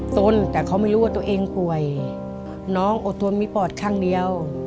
สนแต่เขาไม่รู้ว่าตัวเองป่วยน้องอดทนมีปอดข้างเดียว